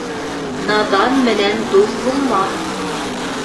Наҙан менән дуҫ булма.